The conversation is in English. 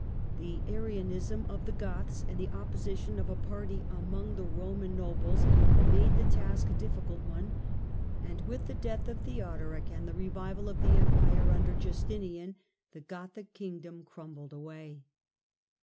The Arianism of the Goths and the opposition of a party among the Koman nobles made the task a' difficult one, and with the death of Theodoric and the revival of the Empire under Justinian, the Gothic kingdom crumbled away.